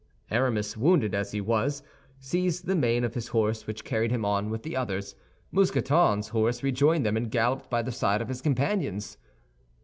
Aramis, wounded as he was, seized the mane of his horse, which carried him on with the others. Mousqueton's horse rejoined them, and galloped by the side of his companions.